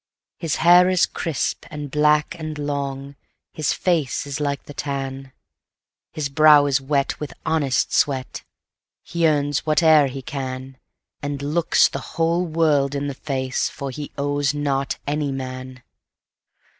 His hair is crisp, and black, and long, His face is like the tan; His brow is wet with honest sweat, He earns whate'er he can, And looks the whole world in the face, For he owes not any man.